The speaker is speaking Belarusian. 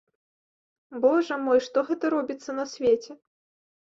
Божа мой, што гэта робіцца на свеце!